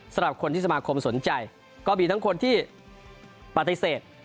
สำหรับคนที่สมาคมสนใจก็มีทั้งคนที่ปฏิเสธ